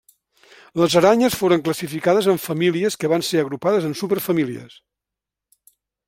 Les aranyes foren classificades en famílies que van ser agrupades en superfamílies.